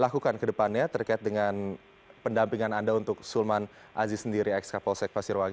lakukan kedepannya terkait dengan pendampingan anda untuk sulman aziz sendiri ex kapolsek pasirwangi